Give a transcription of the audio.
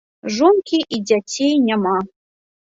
Жонкі і дзяцей няма.